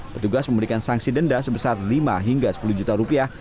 petugas memberikan sanksi denda sebesar lima hingga sepuluh juta rupiah